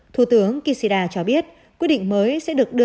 thủ tướng kishida cho biết quy định mới sẽ được đưa ra